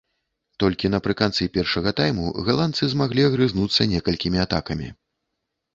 Толькі напрыканцы першага тайму галандцы змаглі агрызнуцца некалькімі атакамі.